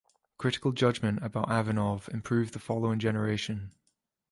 Critical judgement about Ivanov improved in the following generation.